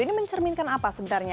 ini mencerminkan apa sebenarnya